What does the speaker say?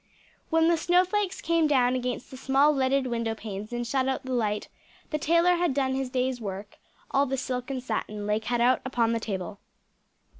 When the snow flakes came down against the small leaded window panes and shut out the light, the tailor had done his day's work; all the silk and satin lay cut out upon the table.